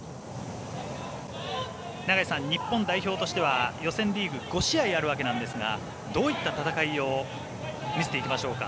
日本代表としては予選リーグ５試合あるわけですがどういった戦いを見せていきましょうか。